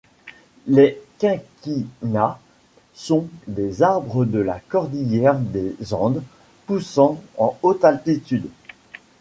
Les quinquinas sont des arbres de la Cordillère des Andes poussant en haute altitude.